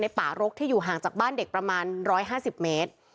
ป่ารกที่อยู่ห่างจากบ้านเด็กประมาณ๑๕๐เมตร